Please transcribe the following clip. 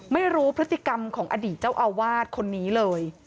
ไม่รู้พฤติกรรมของอดีตเจ้าอาวาสคนนี้เลย